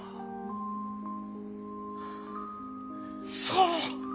そう！